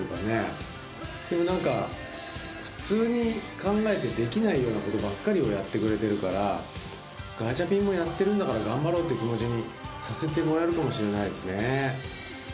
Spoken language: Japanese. でも何か普通に考えてできないようなことばっかりをやってくれてるからガチャピンもやってるんだから頑張ろうって気持ちにさせてもらえるかもしれないですね。